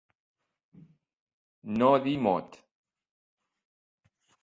No dir mot.